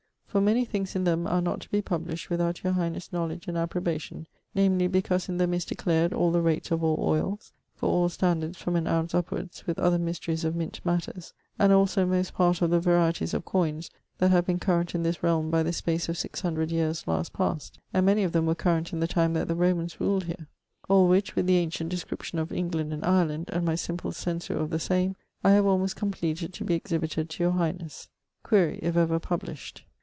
For many things in them are not to be published without your highness knowledge and approbation, namely because in them is declared all the rates of all oyles, for all standards from an ounce upwards, with other mysteries of mint matters, and also most part of the varieties of coines that have been current in this realme by the space of 600 yeares last past, and many of them were currant in the time that the Romans ruled here. All which with the ancient description of England and Ireland, and my simple censure of the same, I have almost compleated to be exhibited to your highnesse.' Quaere if ever published?